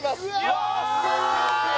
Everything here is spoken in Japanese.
・よし！